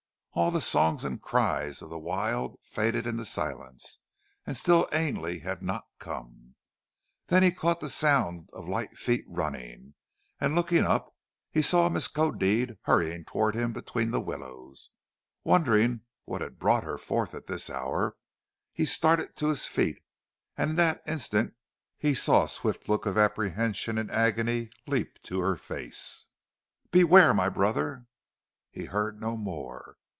All the songs and cries of the wild faded into silence and still Ainley had not come. Then he caught the sound of light feet running, and looking up he saw Miskodeed hurrying towards him between the willows. Wondering what had brought her forth at this hour he started to his feet and in that instant he saw a swift look of apprehension and agony leap to her face. "Beware, my brother " He heard no more.